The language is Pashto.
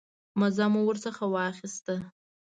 مزه مو ورڅخه واخیسته.